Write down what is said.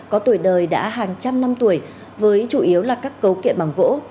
có tuổi đời đã hàng trăm năm tuổi với chủ yếu là các cấu kiện bằng gỗ